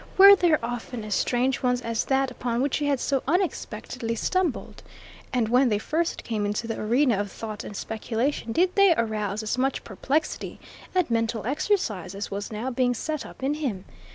Were there often as strange ones as that upon which he had so unexpectedly stumbled? And when they first came into the arena of thought and speculation did they arouse as much perplexity and mental exercise as was now being set up in him?